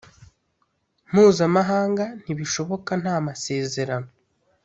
mpuzamahanga ntibishoboka nta masezerano